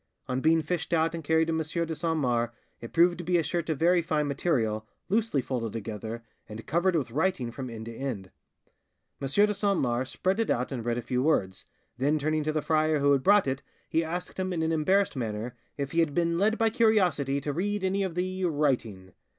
On being fished out and carried to M. de Saint Mars, it proved to be a shirt of very fine material, loosely folded together, and covered with writing from end to end. M. de Saint Mars spread it out and read a few words, then turning to the friar who had brought it he asked him in an embarrassed manner if he had been led by curiosity to read any of the, writing.